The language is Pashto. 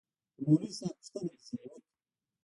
د مولوي صاحب پوښتنه مې ځنې وكړه.